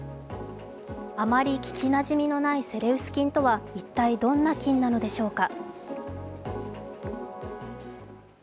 あまりききなじみのないセレウス菌とは一体どんな菌なのでしょうか。